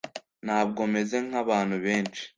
Ntabwo meze nkabantu benshi